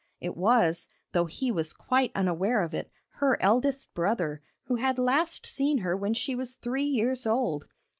It was, though he was quite unaware of it, her eldest brother, who had last seen her when she was three years old.